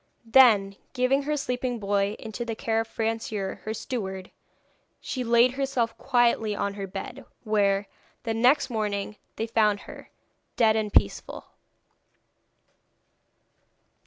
Then, giving her sleeping boy into the care of Francoeur, her steward, she laid herself quietly on her bed, where, the next morning, they found her dead and peaceful.